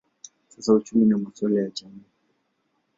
siasa, uchumi au masuala ya jamii.